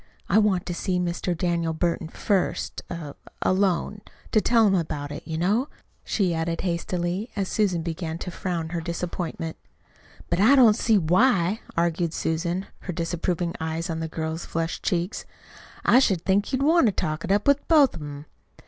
I want to see Mr. Daniel Burton first er alone: to to tell him about it, you know," she added hastily, as Susan began to frown her disappointment. "But I don't see why," argued Susan, her disapproving eyes on the girl's flushed cheeks. "I should think you'd want to talk it up with both of 'em."